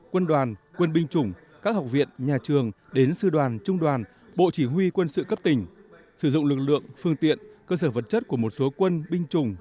quân đoàn quân binh chủng các học viện nhà trường đến sư đoàn trung đoàn bộ chỉ huy quân sự cấp tỉnh sử dụng lực lượng phương tiện cơ sở vật chất của một số quân binh chủng